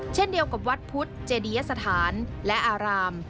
เช่นเดียวกับวัดพุทธเจดียสถานและอาราม